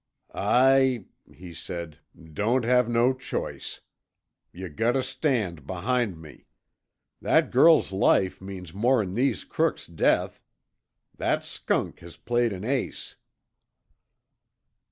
"I," he said, "don't have no choice. You gotta stand behind me. That girl's life means more 'n these crooks' death! That skunk has played an ace."